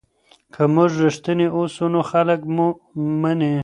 که موږ رښتیني اوسو نو خلک مو مني.